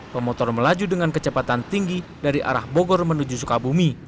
pemotor melaju dengan kecepatan tinggi dari arah bogor menuju sukabumi